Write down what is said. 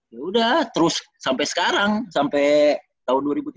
yaudah terus sampai sekarang sampai tahun dua ribu tujuh belas lah